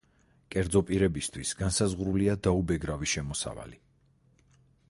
კერძო პირებისთვის განსაზღვრულია დაუბეგრავი შემოსავალი.